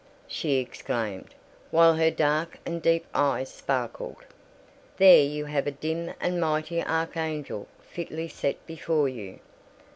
she exclaimed, while her dark and deep eye sparkled. "There you have a dim and mighty archangel fitly set before you!